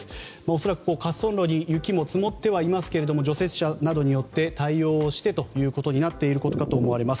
恐らく、滑走路に雪が積もってはいますが除雪車などによって対応してということになっていることかと思われます。